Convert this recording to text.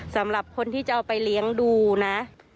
สำหรับคนที่จะเอาไปเลี้ยงดูนะ